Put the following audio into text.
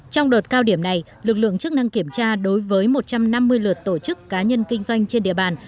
trong đợt cao điểm này lực lượng chức năng kiểm tra đối với một trăm năm mươi lượt tổ chức cá nhân kinh doanh trên địa bàn